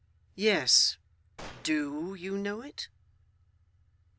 'Yes. DO you know it?